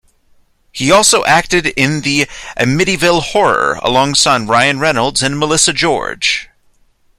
He also acted in "The Amityville Horror" alongside Ryan Reynolds and Melissa George.